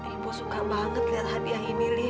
ibu suka banget liat hadiah ini lia